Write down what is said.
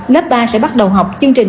lớp ba sẽ bắt đầu học chương trình